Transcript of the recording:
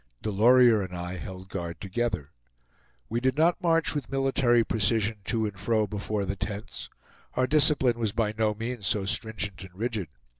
Delorier and I held guard together. We did not march with military precision to and fro before the tents; our discipline was by no means so stringent and rigid.